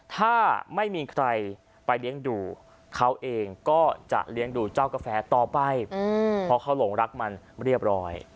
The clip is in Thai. ถ้าไม่มีใครไปเลี้ยงดูเขาเองก็จะเลี้ยงดูเจ้ากาแฟต่อไปเพราะเขาหลงรักมันเรียบร้อย